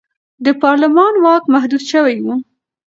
د پارلمان واک محدود شوی و.